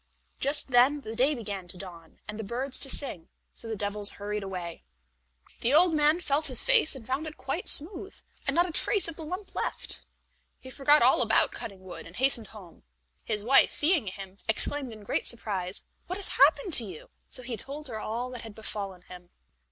Just then the day began to dawn, and the birds to sing, so the devils hurried away. The old man felt his face and found it quite smooth, and not a trace of the lump left. He forgot all about cutting wood, and hastened home. His wife, seeing him, exclaimed in great surprise, "What has happened to you?" So he told her all that had befallen him.